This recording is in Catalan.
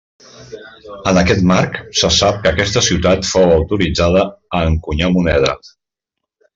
En aquest marc, se sap que aquesta ciutat fou autoritzada a encunyar moneda.